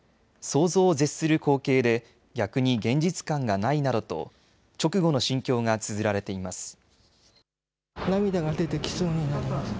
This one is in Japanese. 想像を絶する光景で逆に現実感がないなどと直後の心境がつづられています。